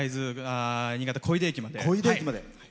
新潟、小出駅まで。